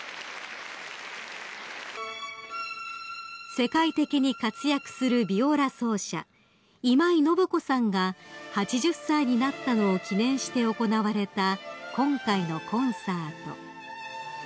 ［世界的に活躍するビオラ奏者今井信子さんが８０歳になったのを記念して行われた今回のコンサート］